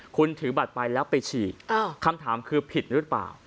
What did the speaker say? คุณถือบัตรไปแล้วไปฉีกคำถามคือผิดหรือเปล่า